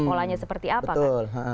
polanya seperti apa kan